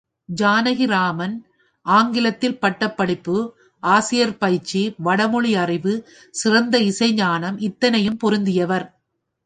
ஜானகிராமன் ஆங்கிலத்தில் பட்டப்படிப்பு, ஆசிரியப்பயிற்சி, வடமொழி அறிவு, சிறந்த இசைஞானம், இத்தனையும் பொருந்தியவர்.